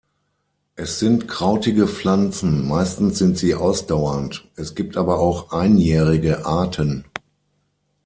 Es sind krautige Pflanzen, meistens sind sie ausdauernd, es gibt aber auch einjährige Arten.